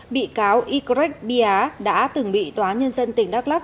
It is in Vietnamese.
bị cáo ycret bia đã từng bị tòa nhân dân tỉnh đắk lắc